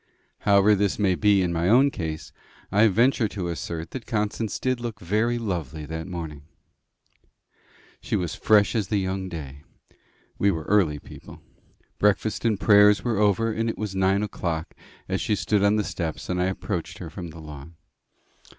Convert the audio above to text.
However this may be in my own case, I venture to assert that Constance did look very lovely that morning. She was fresh as the young day: we were early people breakfast and prayers were over, and it was nine o'clock as she stood on the steps and I approached her from the lawn.